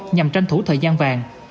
nhằm tranh thủ thời gian vàng